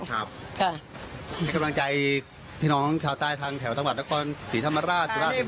ให้กำลังใจพี่น้องข้าวใต้ทางแถวตะวัดละครศรีธรรมราช